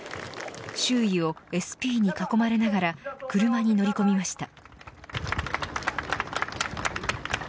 周囲をＳＰに囲まれながら車に乗り込みました。